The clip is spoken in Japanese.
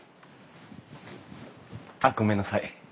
あっごめんなさい。